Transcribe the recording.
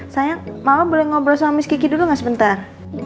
sayang mama boleh ngobrol sama miss kiki dulu enggak sebentar